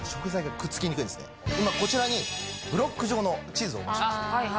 こちらにブロック状のチーズをお持ちしました。